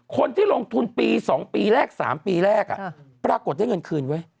คนที่ลงทุนปี๒ปีแรก๓ปีแรกปรากฏได้เงินคืนเว้ย